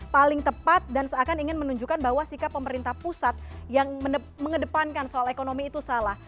paling tepat dan seakan ingin menunjukkan bahwa sikap pemerintah pusat yang mengedepankan soal ekonomi itu salah